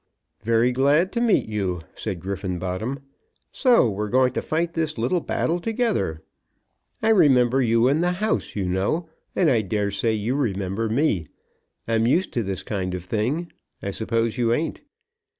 "Very glad to meet you," said Griffenbottom. "So we're going to fight this little battle together. I remember you in the House, you know, and I dare say you remember me. I'm used to this kind of thing. I suppose you ain't.